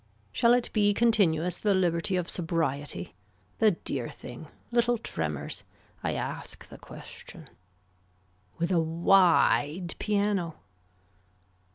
Shall it be continuous the liberty of sobriety. The dear thing. Little tremors. I ask the question. With a wide piano.